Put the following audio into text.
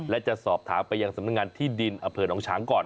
และจะสอบถามไปยังสำนักงานที่ดินอำเภอหนองฉางก่อน